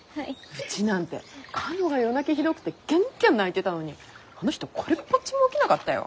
うちなんてかのが夜泣きひどくてギャンギャン泣いてたのにあの人これっぽっちも起きなかったよ。